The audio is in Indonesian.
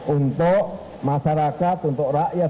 untuk masyarakat untuk rakyat